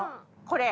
これ。